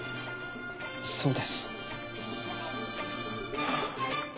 そうです。